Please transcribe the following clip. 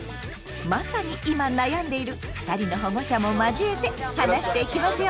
まさに今悩んでいる２人の保護者も交えて話していきますよ。